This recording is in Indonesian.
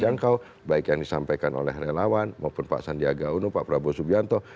jadi itu adalah pemilih yang terjangkau baik yang disampaikan oleh relawan maupun pak sandiaga uno pak prabowo subianto